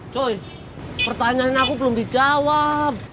joy pertanyaan aku belum dijawab